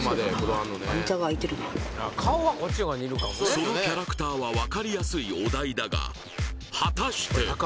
そのキャラクターは分かりやすいお題だが果たして？